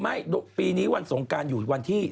ไม่ปีนี้วันสงกราณอยู่วันที่๑๔